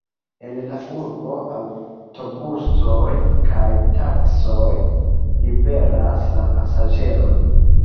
En la urbo aŭtobusoj kaj taksioj liveras la pasaĝerojn.